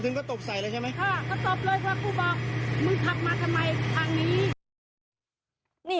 มึงขับมาทำไมทางนี้